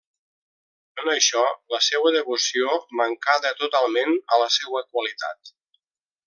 En això la seua devoció mancada totalment a la seua qualitat.